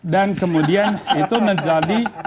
dan kemudian itu menjadi